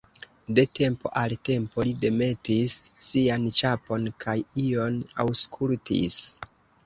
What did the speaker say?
De tempo al tempo li demetis sian ĉapon kaj ion aŭskultis.